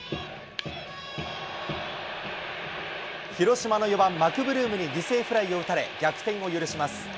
広島の４番マクブルームに犠牲フライを打たれ、逆転を許します。